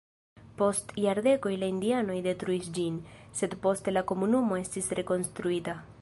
Post jardekoj la indianoj detruis ĝin, sed poste la komunumo estis rekonstruita.